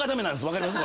分かります？